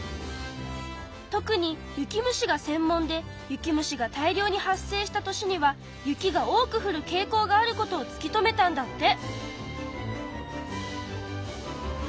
特に雪虫がせん門で雪虫が大量に発生した年には雪が多くふるけい向があることを突き止めたんだって。